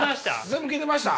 全部聞いてました？